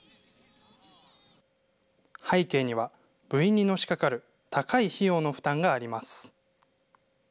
背景には、部員にのしかかる高い費用の負担があります。